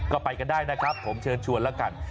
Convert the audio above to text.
ก็ไปกันได้นะครับผมเชิญชวนแล้วกัน